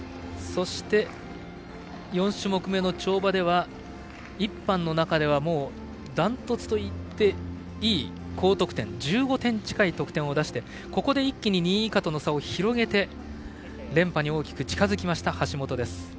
そして、４種目めの跳馬は１班の中ではダントツといっていい高得点１５点近い得点を出してここで一気に２位以下との差を広げて連覇に大きく近づいた橋本。